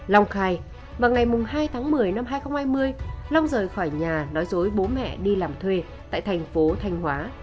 long khai vào ngày hai tháng một mươi năm hai nghìn hai mươi long rời khỏi nhà nói dối bố mẹ đi làm thuê tại thành phố thanh hóa